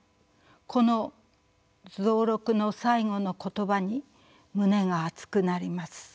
この蔵六の最期の言葉に胸が熱くなります。